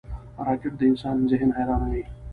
راکټ د انسان ذهن حیرانوي